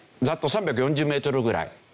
ざっと３４０メートルぐらい。